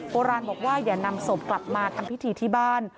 โบราณบอกว่าอย่านำศพกลับมาทำพิธีที่บ้าน